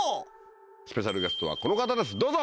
スペシャルゲストはこの方ですどうぞ！